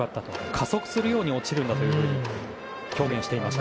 加速するように落ちるんだと表現をしていました。